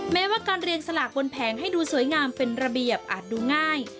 แม้ว่าการเรียงสลากบนแผงให้ดูสวยงามเป็นระเบียบอาจดูง่าย